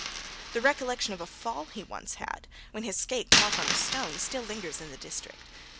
The recollection of a fall he once had, when his skate caught on a stone, still lingers in the district.